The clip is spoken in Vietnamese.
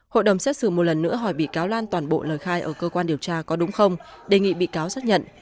hội đồng xét xử một lần nữa hỏi bị cáo lan toàn bộ lời khai ở cơ quan điều tra có đúng không đề nghị bị cáo xác nhận